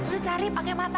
lo cari pakai mata